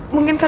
biar gak telat